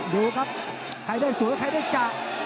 ดูครับใครได้สวยใครได้จะ